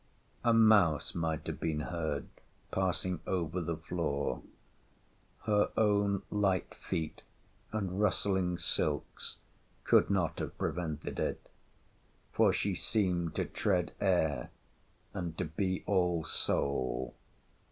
A mouse might have been heard passing over the floor: her own light feet and rustling silks could not have prevented it; for she seemed to tread air, and to be all soul.